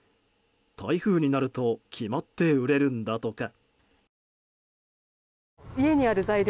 台風になると決まって売れるんだとか。